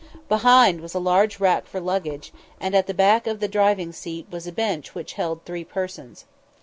Behind was a large rack for luggage, and at the back of the driving seat was a bench which held three persons.